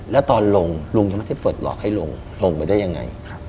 แล้วตอนลงลุงยังไม่ได้เปิดหลอกให้ลุงลงไปได้ยังไง